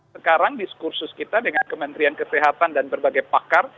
sekarang diskursus kita dengan kementerian kesehatan dan berbagai pakar